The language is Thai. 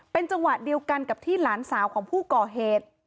เป็นจังหวะเดียวกันกับที่หลานสาวของผู้ก่อเหตุ